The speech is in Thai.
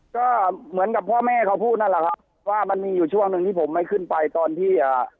ก็เหมือนกับพ่อแม่เขาพูดนั่นแหละครับว่ามันมีอยู่ช่วงหนึ่งที่ผมไม่ขึ้นไปตอนที่อ่า